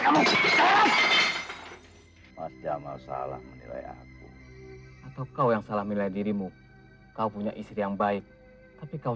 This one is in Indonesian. aku salah menilai aku atau kau yang salah menilai dirimu kau punya istri yang baik tapi kau